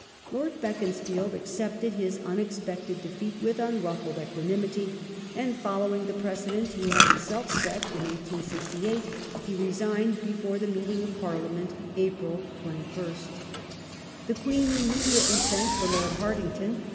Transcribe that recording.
Lord Beaconsfield accepted his unexpected defeat with unruffled equanimity, and following the precedent he had himself set in 1868, he resigned before the meeting of Parliament (April 21 st).^ Forma The Queen immediately sent for Lord Hartington.